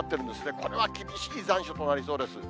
これは厳しい残暑になりそうです。